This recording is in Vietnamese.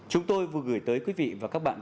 chúng tôi vừa gửi tới quý vị và các bạn